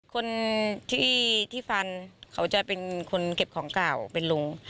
คนที่ฟันเขาจะเป็นคนเก็บของเก่าเป็นลุง